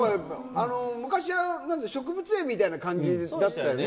昔、植物園みたいな感じだったよね。